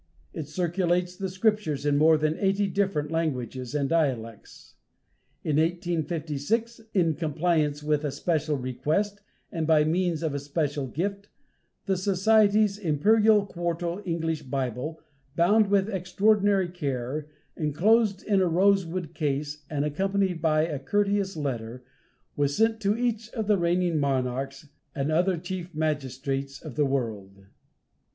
It circulates the Scriptures in more than eighty different languages and dialects. In 1856, in compliance with a special request, and by means of a special gift, the Society's Imperial Quarto English Bible, bound with extraordinary care, enclosed in a rosewood case, and accompanied by a courteous letter, was sent to each of the reigning monarchs and other chief magistrates of the world.